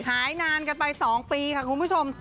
หายนานกันไป๒ปีค่ะคุณผู้ชม